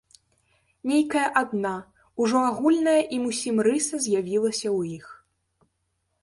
Нейкая адна, ужо агульная ім усім рыса з'явілася ў іх.